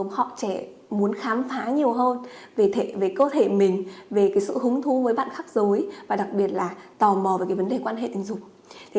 họ trẻ muốn khám phá nhiều hơn về thể về cơ thể mình về sự hứng thú với bạn khắc dối và đặc biệt là tò mò về vấn đề quan hệ tình dục